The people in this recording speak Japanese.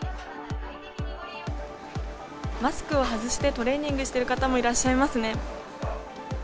マスクを外してトレーニングしてる方もいらっしゃいますね。